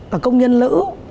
và công nhân lữ